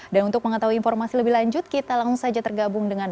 dan untuk mengetahui informasi lebih lanjut kita langsung saja tergabung dengan